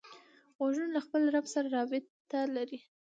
غوږونه له خپل رب سره رابط لري